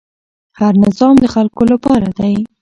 هر نظام د خلکو لپاره دی